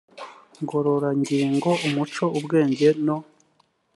ngororangingo umuco ubwenge no